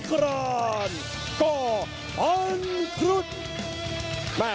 สร้างการที่กระทะนัก